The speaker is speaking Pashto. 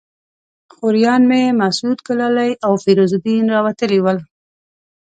خوریان مې مسعود ګلالي او فیروز الدین راوتلي ول.